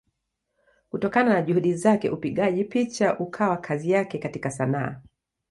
Kutokana na Juhudi zake upigaji picha ukawa kazi yake katika Sanaa.